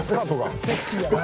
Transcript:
セクシーやな。